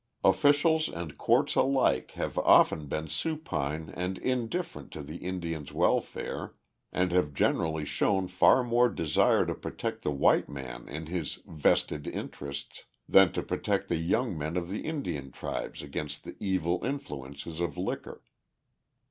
Officials and courts alike have often been supine and indifferent to the Indian's welfare, and have generally shown far more desire to protect the white man in his "vested interests" than to protect the young men of the Indian tribes against the evil influences of liquor.